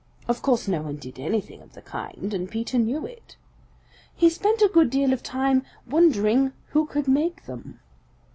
Of course no one did anything of the kind, and Peter knew it. He spent a good deal of time wondering who could make them.